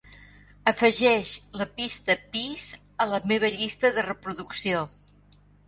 Afegeix la pista Peace a la meva llista de reproducció